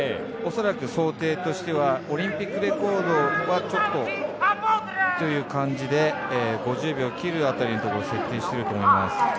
恐らく想定としてはオリンピックレコードはちょっとという感じで５０秒切るあたりを設定していると思います。